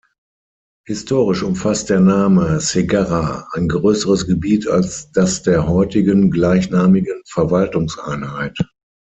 Historisch umfasst der Name Segarra ein größeres Gebiet als das der heutigen gleichnamigen Verwaltungseinheit.